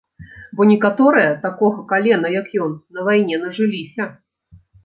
Бо некаторыя, такога калена як ён, на вайне нажыліся.